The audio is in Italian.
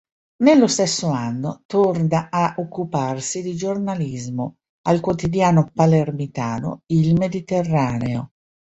Nello stesso anno, torna a occuparsi di giornalismo, al quotidiano palermitano "Il Mediterraneo".